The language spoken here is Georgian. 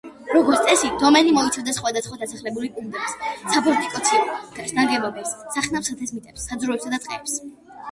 როგორც წესი, დომენი მოიცავდა სხვადასხვა დასახლებული პუნქტებს, საფორტიფიკაციო ნაგებობებს, სახნავ-სათეს მიწებს, საძოვრებს და ტყეებს.